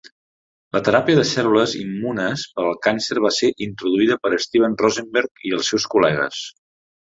La teràpia de cèl·lules immunes per al càncer va ser introduïda per Steven Rosenberg i els seus col·legues.